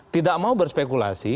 tidak mau berspekulasi